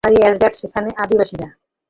তোমরাই অ্যাসগার্ড, সেখানের অধিবাসীরা।